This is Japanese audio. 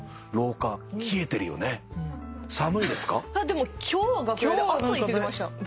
でも今日は楽屋で暑いって言ってました。